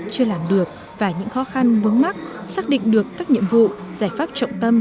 chưa làm được và những khó khăn vướng mắt xác định được các nhiệm vụ giải pháp trọng tâm